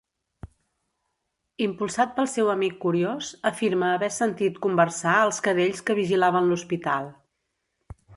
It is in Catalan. Impulsat pel seu amic curiós, afirma haver sentit conversar els cadells que vigilaven l'hospital.